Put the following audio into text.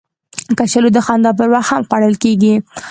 کچالو د خندا پر وخت هم خوړل کېږي